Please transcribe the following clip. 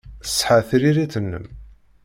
Tṣeḥḥa tririt-nnem.